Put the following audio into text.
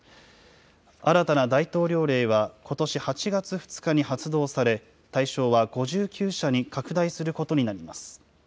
新たな大統領令はことし８月２日に発動され、対象は５９社に拡大することになります。